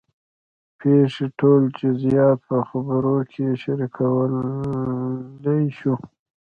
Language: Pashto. د پېښې ټول جزیات په خبرو کې شریکولی شو.